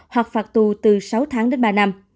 hoặc phạt tù từ sáu tháng đến ba năm